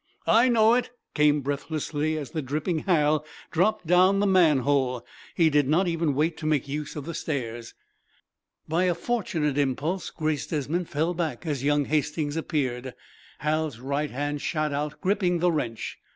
"I know it," came, breathlessly, as the dripping Hal dropped down the manhole. He did not even wait to make use of the stairs. By a fortunate impulse Grace Desmond fell back as young Hastings appeared. Hal's right hand shot out, gripping the wrench.